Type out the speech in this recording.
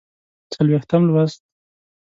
څلوېښتم لوست